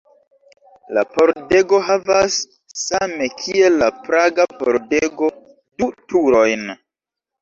La pordego havas, same kiel la Praga pordego, du turojn.